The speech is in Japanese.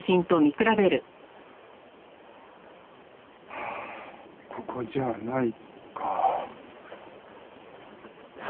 はあここじゃないか。